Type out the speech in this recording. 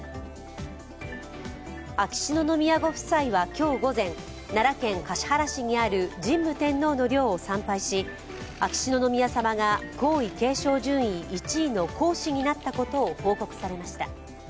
今日午前、奈良県橿原市にある神武天皇の陵を参拝し、秋篠宮さまが皇位継承順位１位の皇嗣になったことを報告されました。